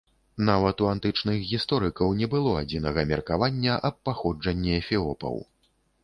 Нават у антычных гісторыкаў не было адзінага меркавання аб паходжанні эфіопаў.